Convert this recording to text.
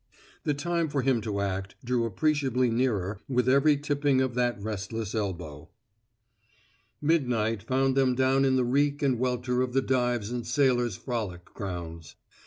The time for him to act drew appreciably nearer with every tipping of that restless elbow. Midnight found them down in the reek and welter of the dives and sailors' frolic grounds.